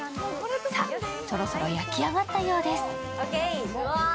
さぁ、そろそろ焼き上がったようです。